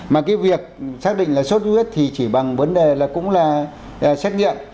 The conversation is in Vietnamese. mà cái việc xác định là sốt xuất huyết thì chỉ bằng vấn đề là cũng là xét nghiệm